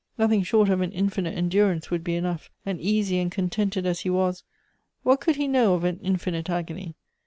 Nothing short of an infinite endurance would be enough, and easy and contented as he was, what could he know of an infinite agony